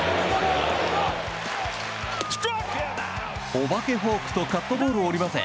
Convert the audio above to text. お化けフォークとカットボールを織り交ぜ